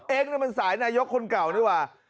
เองเนี่ยมันสายนายกคนเก่านี่หว่า